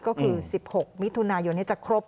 ก็คือ๑๖มิถุนายนจะครบ